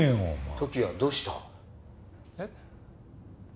時矢どうした？えっ？